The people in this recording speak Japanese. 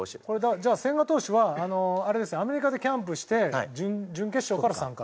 じゃあ千賀投手はアメリカでキャンプして準決勝から参加。